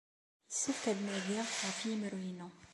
Yessefk ad d-nadiɣ ɣef yemru-inu.